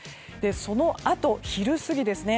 そのあと、昼過ぎですね。